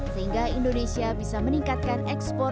sehingga indonesia bisa meningkatkan ekspor